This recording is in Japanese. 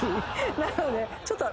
なので。